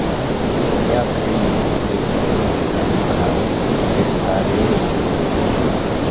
Mia krimo estis ankoraŭ riparebla.